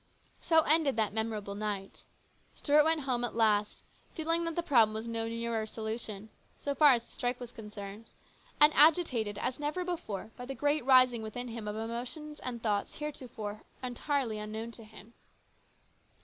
So ended that memorable night. Stuart went home at last, feeling that the problem was no nearer solution, so far as the strike was concerned, and agitated as never before by the great rising within him of emotions and thoughts heretofore entirely unknown to him.